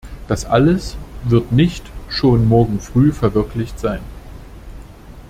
Das alles wird nicht schon morgen früh verwirklicht sein.